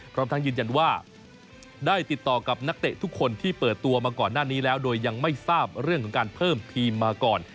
พร้อมทั้งยืนยันว่าได้ติดต่อกับนักเตะทุกคนที่เปิดตัวมาก่อนหน้านี้แล้วโดยยังไม่ทราบเรื่องของการเพิ่มทีมมาก่อน